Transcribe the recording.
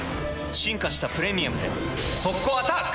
進化した「プレミアム」で速攻アタック！